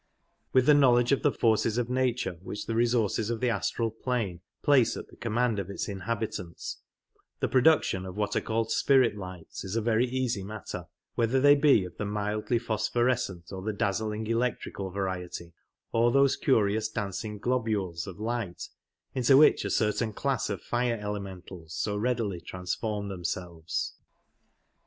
With the knowledge of the forces of nature which the resources of the astral plane place at the com mand of its inhabitants the production of what Lirfite are called " spirit lights " is a very easy matter, whether they be of the mildly phosphorescent or the dazzling electrical variety, or those curious dancing globules of light into which a certain class of fire elementals so readily transform themselves.